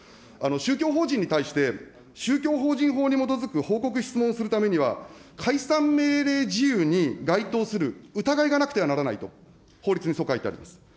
宗教法人に対して、宗教法人法に基づく報告質問をするためには、解散命令事由に該当する疑いがなくてはならないと、法律にそう書いてあります。